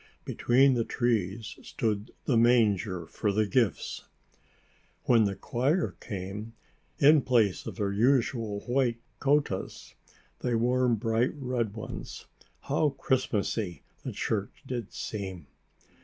Between the trees stood the manger for the gifts. When the choir came, in place of their usual white cottas, they wore bright red ones. How Christmas y the church did seem!